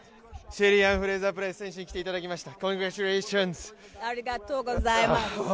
シェリーアン・フレイザー・プライスに来ていただきました。